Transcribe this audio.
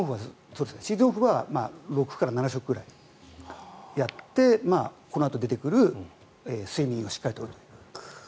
シーズンオフは６から７食ぐらいやってこのあと出てくる睡眠をしっかり取ると。